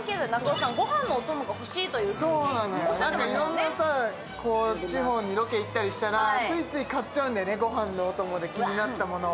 いろんな地方にロケで行ったりしたらついつい買っちゃうんだよね、ご飯のお供で気になったものを。